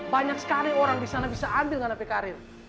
banyak sekali orang di sana bisa ambil ngana pekarin